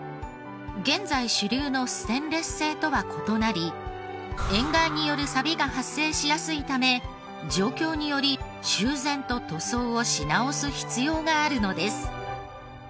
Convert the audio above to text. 現在主流のステンレス製とは異なり塩害によるサビが発生しやすいため状況により修繕と塗装をし直す必要があるのです。